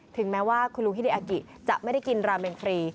ถึงแม้ว่าคุณลุงฮิริอากิจะไม่ได้กินราเมนฟรี